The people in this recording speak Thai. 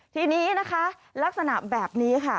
ทีนี้นะคะลักษณะแบบนี้ค่ะ